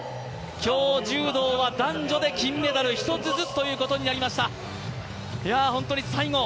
今日、柔道は男女で金メダル１つずつということになりました。